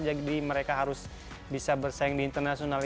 jadi mereka harus bisa bersaing di internasional